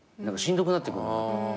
何かしんどくなってくる。